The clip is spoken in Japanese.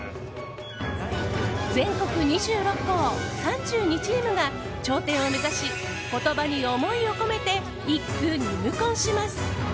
全国２６校３２チームが頂点を目指し言葉に思いを込めて一句入魂します。